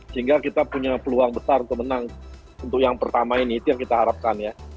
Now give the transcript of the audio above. sehingga kita punya peluang besar untuk menang untuk yang pertama ini itu yang kita harapkan ya